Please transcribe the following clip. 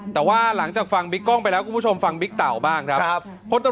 แต่ว่าหลังจากฟังบิ๊กกล้องไปแล้วคุณผู้ชมฟังบิ๊กเต่าบ้างครับ